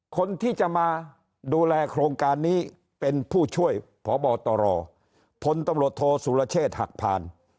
คนที่จะมาดูแลโครงการนี้เป็นผู้ช่วยพบตรพตศหักพาน